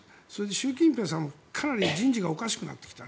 習近平さんもかなり人事がおかしくなってきた。